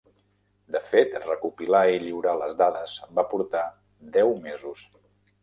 De fet, recopilar i lliurar les dades va portar "deu mesos".